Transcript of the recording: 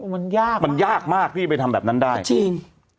มันยากมันยากมากที่ไปทำแบบนั้นได้จริง